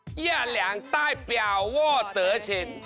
เย่าแหล่งใต้เปรี้ยวโว้เตอร์ชิน